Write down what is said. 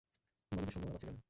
বলো যে সম্ভাবনা পাচ্ছিল না।